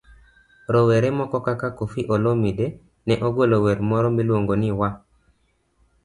Rowere moko kaka Koffi Olomide ne ogolo wer moro miluongo ni 'Waah!